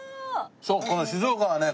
そうこの静岡はね